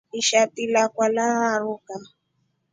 Ishati lakwa laranduka.